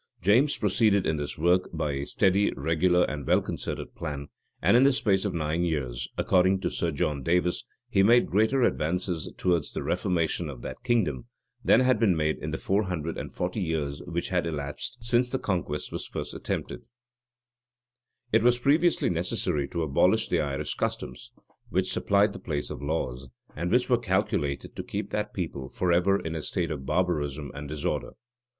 James proceeded in this work by a steady, regular, and well concerted plan; and in the space of nine years, according to Sir John Davis, he made greater advances towards the reformation of that kingdom, than had been made in the four hundred and forty years which had elapsed since the conquest was first attempted.[] * Kennet, p. 715. King James's Works, p. 355. King James's Works, p. 259, edit. 1613. It was previously necessary to abolish the Irish customs, which supplied the place of laws, and which were calculated to keep that people forever in a state of barbarism and disorder.